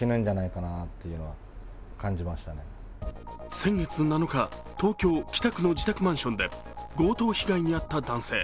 先月７日、東京・北区の自宅マンションで強盗被害に遭った男性。